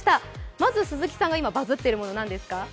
まず、鈴木さんが今バズっているものは何ですか？